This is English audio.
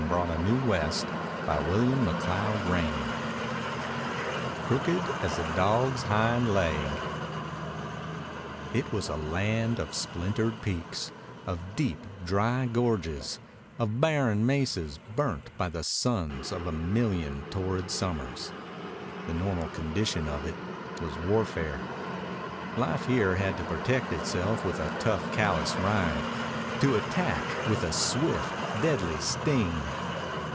JOYCE MAKES PIES GUNSIGHT PASS CHAPTER I "CROOKED AS A DOG'S HIND LAIG" It was a land of splintered peaks, of deep, dry gorges, of barren mesas burnt by the suns of a million torrid summers. The normal condition of it was warfare. Life here had to protect itself with a tough, callous rind, to attack with a swift, deadly sting.